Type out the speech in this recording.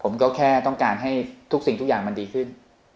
ผมก็แค่ต้องการให้ทุกอย่างจะดีขึ้น